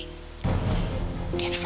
dia bisa bongkar semuanya